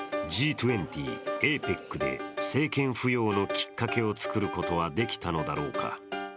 ＡＳＥＡＮ、Ｇ２０、ＡＰＥＣで政権浮揚のきっかけを作ることはできたのだろうか。